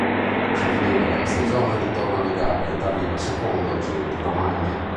Sul finire della stagione ritorna alle gare ed arriva secondo al Giro di Romagna.